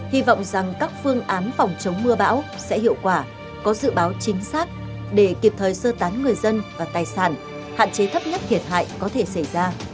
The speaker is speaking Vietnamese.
hy vọng rằng các phương án phòng chống mưa bão sẽ hiệu quả có dự báo chính xác để kịp thời sơ tán người dân và tài sản hạn chế thấp nhất thiệt hại có thể xảy ra